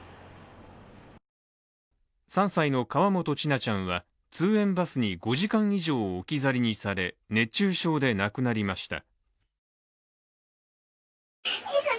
３歳の河本千奈ちゃんは通園バスに５時間以上置き去りにされ熱中症で亡くなりました。